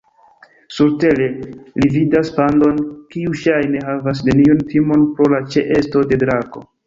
Surtere, ri vidas pandon, kiu ŝajne havas neniun timon pro la ĉeesto de drako.